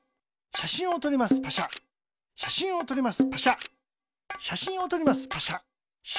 しゃしんをとります。